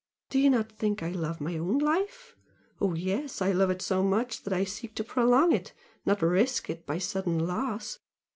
Do you not think I love my own life? Oh yes, I love it so much that I seek to prolong it, not risk it by sudden loss.